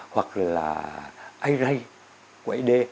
hoặc là array của ed